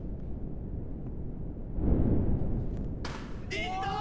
いったー！